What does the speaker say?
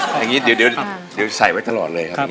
อย่างนี้เดี๋ยวใส่ไว้ตลอดเลยครับ